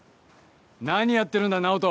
何やってるんだ直人。